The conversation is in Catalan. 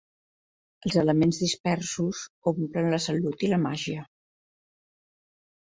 Els elements dispersos omplen la salut i la màgia.